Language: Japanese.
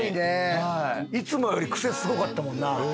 いつもよりクセすごかったもんな。